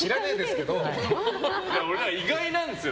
意外なんですよ。